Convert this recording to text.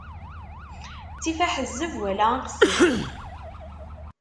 Ttif aḥezzeb wala aqezzeb.